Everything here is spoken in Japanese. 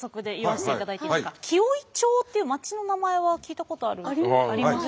紀尾井町っていう町の名前は聞いたことがありますかね。